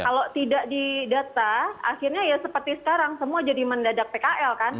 kalau tidak didata akhirnya ya seperti sekarang semua jadi mendadak pkl kan